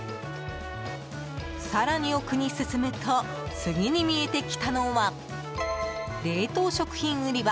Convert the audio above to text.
更に奥に進むと次に見えてきたのは冷凍食品売り場。